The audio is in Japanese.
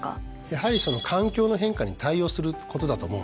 やはり環境の変化に対応することだと思うんですよ。